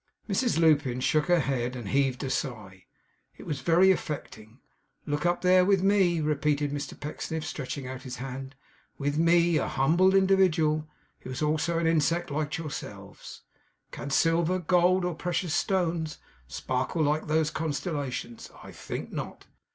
Mrs Lupin shook her head, and heaved a sigh. It was very affecting. 'Look up there, with me!' repeated Mr Pecksniff, stretching out his hand; 'With me, a humble individual who is also an insect like yourselves. Can silver, gold, or precious stones, sparkle like those constellations! I think not.